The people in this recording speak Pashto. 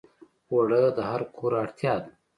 اوړه د هر کور اړتیا ده